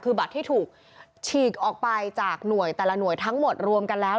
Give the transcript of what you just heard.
คือบัตรที่ถูกฉีกออกไปจากหน่วยแต่ละหน่วยทั้งหมดรวมกันแล้ว